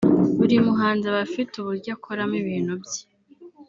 buri muhanzi aba afite uburyo akoramo ibintu bye